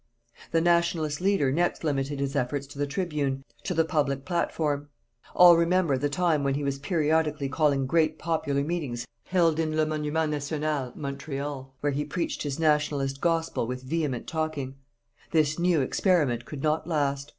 The Nationalist leader next limited his efforts to the tribune, to the public platform. All remember the time when he was periodically calling great popular meetings held in Le Monument National, Montreal, where he preached his Nationalist gospel with vehement talking. This new experiment could not last.